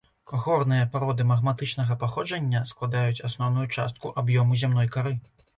Горныя пароды магматычнага паходжання складаюць асноўную частку аб'ёму зямной кары.